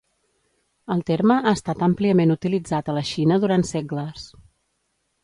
El terme ha estat àmpliament utilitzat a la Xina durant segles.